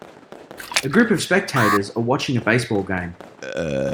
A group of spectators are watching a baseball game.